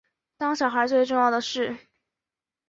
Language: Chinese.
当小孩最重要的事